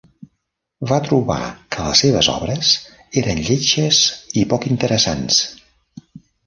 Va trobar que les seves obres eren "lletges i poc interessants".